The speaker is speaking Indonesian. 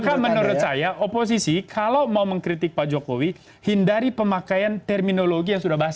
maka menurut saya oposisi kalau mau mengkritik pak jokowi hindari pemakaian terminologi yang sudah basah